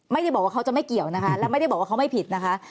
ไม่ได้บอกว่าเขาจะไม่เกี่ยวนะคะแล้วไม่ได้บอกว่าเขาไม่ผิดนะคะ